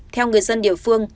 theo người dân địa phương